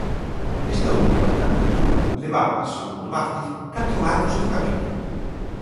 Esta última candidatura levaba, segundo Vázquez, catro anos de camiño.